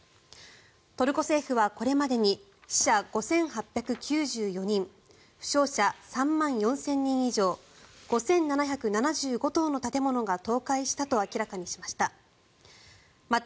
トルコ政府はこれまでに死者５８９４人負傷者３万４０００人以上５７７５棟の建物が倒壊したと明らかにしました。